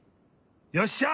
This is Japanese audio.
よっしゃ！